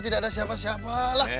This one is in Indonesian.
tidak ada siapa siapa